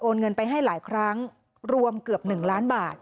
เงินไปให้หลายครั้งรวมเกือบ๑ล้านบาท